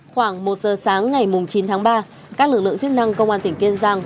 khoảng một giờ sáng ngày chín tháng ba các lực lượng chức năng công an tỉnh kiên giang